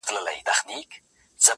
چا چي کړی په چاپلوس باندي باور دی.!